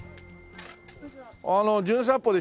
あの『じゅん散歩』で来たね